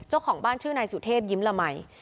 เจ้าของบ้านชื่อนายสุเทพยิ้มละมัย